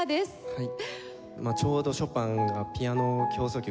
はい。